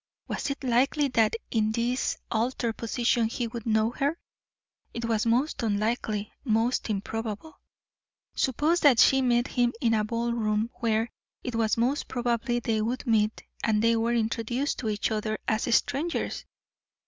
Was it likely that in this altered position he would know her? It was most unlikely, most improbable. Suppose that she met him in a ball room where it was most probable they would meet and they were introduced to each other as strangers!